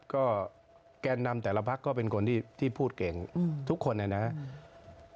ก็แกนนำแต่ละพักก็เป็นคนที่พูดเก่งทุกคนนะครับ